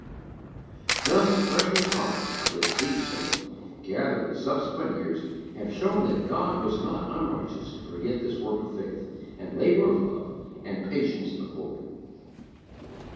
Thus, precious harvests of this seed sowing, gathered in subsequent years, have shown that God was not unrighteous to forget this work of faith, and labour of love, and patience of hope.